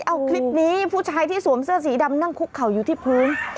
เอาคลิปนี้ผู้ชายที่สวมเสื้อสีดำนั่งคุกเข่าอยู่ที่พื้น